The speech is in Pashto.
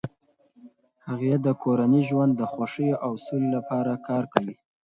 هغې د کورني ژوند د خوښۍ او سولې لپاره کار کوي.